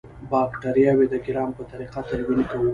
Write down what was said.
باکټریاوې د ګرام په طریقه تلوین کوو.